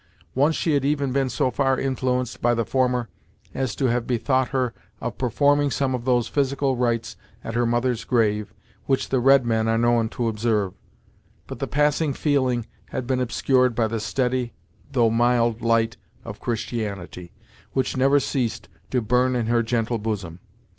Once she had even been so far influenced by the former as to have bethought her of performing some of those physical rites at her mother's grave which the redmen are known to observe; but the passing feeling had been obscured by the steady, though mild light of Christianity, which never ceased to burn in her gentle bosom.